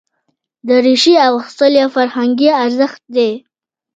دریشي اغوستل یو فرهنګي ارزښت دی.